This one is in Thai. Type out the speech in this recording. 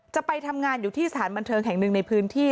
จะไปทำงานอยู่ที่สถานบันเทิงแห่งหนึ่งในพื้นที่